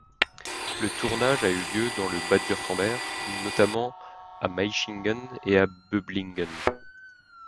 Le tournage a eu lieu dans le Bade-Wurtemberg, notamment à Maichingen et Böblingen.